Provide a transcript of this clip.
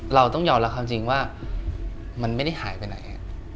เราต้องยอมรับความจริงว่ามันไม่ได้หายไปไหน